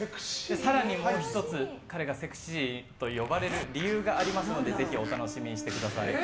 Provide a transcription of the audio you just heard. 更に、もう１つ彼がセクシーと呼ばれる理由がありますのでぜひお楽しみにしてください。